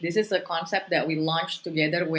ini adalah konsep yang kami lanjutkan bersama